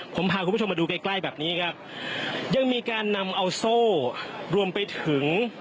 ผมพาคุณผู้ชมมาดูใกล้ใกล้แบบนี้ครับยังมีการนำเอาโซ่รวมไปถึง